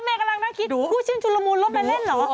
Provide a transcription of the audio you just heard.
รับแม่กำลังน่าคิดคู่ชื่นชุดรมูลรับแม่เล่นเหรอวะ